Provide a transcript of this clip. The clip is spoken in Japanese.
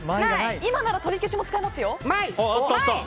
今なら、とりけしも使えます。